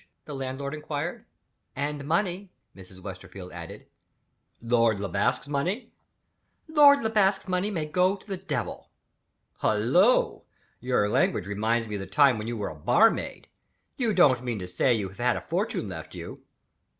the landlord inquired. "And money," Mrs. Westerfield added. "Lord Le Basque's money." "Lord Le Basque's money may go to the Devil!" "Hullo! Your language reminds me of the time when you were a barmaid. You don't mean to say you have had a fortune left you?"